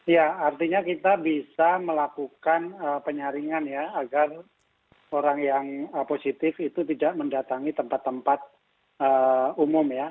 ya artinya kita bisa melakukan penyaringan ya agar orang yang positif itu tidak mendatangi tempat tempat umum ya